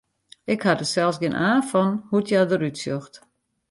Ik ha der sels gjin aan fan hoe't hja derút sjocht.